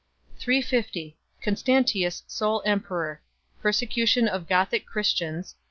350 Constantius sole emperor. Persecution of Gothic Chris tians.